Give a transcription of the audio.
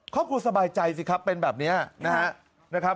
ครอบครัวสบายใจสิครับเป็นแบบนี้นะครับ